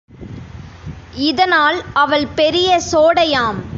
இதனால் அவள் பெரிய சோடை யாம்.